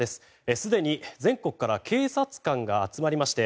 すでに全国から警察官が集まりまして